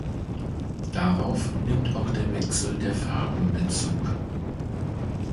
Darauf nimmt auch der Wechsel der Farben Bezug.